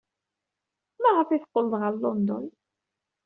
Maɣef ay teqqled ɣer London?